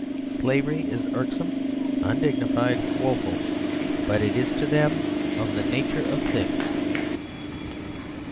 Slavery is irksome, undignified, woeful ; but it is, to them, of the nature of things.